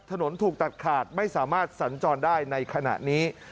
ถูกตัดขาดไม่สามารถสัญจรได้ในขณะนี้